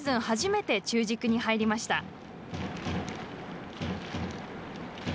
初めて中軸に入りました。